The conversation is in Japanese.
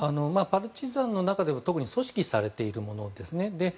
パルチザンの中でも特に組織されているものですね。